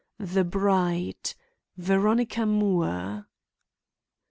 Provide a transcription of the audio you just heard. The bride! Veronica Moore.